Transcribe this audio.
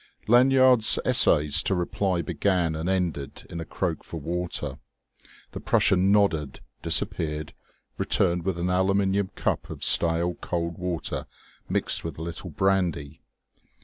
Lanyard's essays to reply began and ended in a croak for water. The Prussian nodded, disappeared, returned with an aluminium cup of stale cold water mixed with a little brandy.